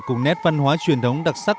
cùng nét văn hóa truyền thống đặc sắc